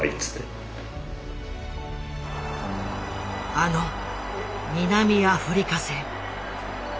あの南アフリカ戦。